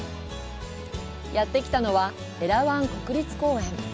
やってきたのは、エラワン国立公園。